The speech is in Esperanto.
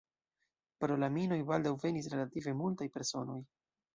Pro la minoj baldaŭ venis relative multaj personoj.